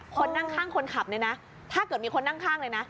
คนนั่งข้างคนขับเนี่ยนะถ้าเกิดมีคนนั่งข้างเลยนะ